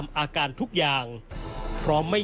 แม่จะมาเรียกร้องอะไร